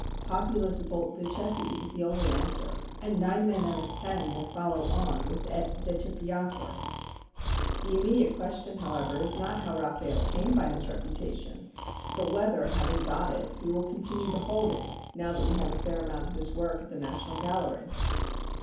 Populus vult decipi is the only answer, and nine men out of ten will follow on with et decipiatur. The immediate question, however, is not how Raffaelle came by his reputation but whether, having got it, he will continue to hold it now that we have a fair amount of his work at the National Gallery.